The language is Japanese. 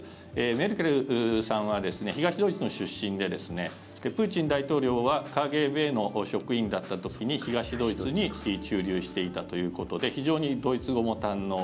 メルケルさんは東ドイツの出身でプーチン大統領はＫＧＢの職員だった時に東ドイツに駐留していたということで非常にドイツ語も堪能。